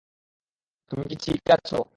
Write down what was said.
তুমি কি ঠিক আছ।